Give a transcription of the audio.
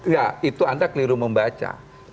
ya itu anda keliru membaca